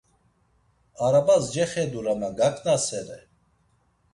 Arabas cexedur ama gaǩnasere.